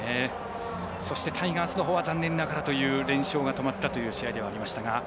そしてタイガースのほうは残念ながら連勝が止まった試合でありました。